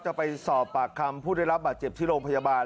จะไปสอบปากคำผู้ได้รับบาดเจ็บที่โรงพยาบาล